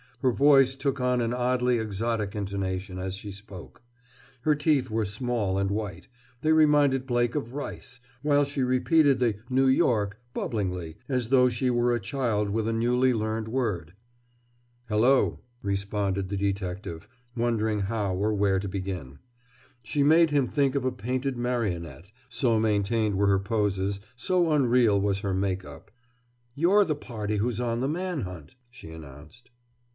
Her voice took on an oddly exotic intonation, as she spoke. Her teeth were small and white; they reminded Blake of rice, while she repeated the "New York," bubblingly, as though she were a child with a newly learned word. "Hello!" responded the detective, wondering how or where to begin. She made him think of a painted marionette, so maintained were her poses, so unreal was her make up. "You're the party who's on the man hunt," she announced.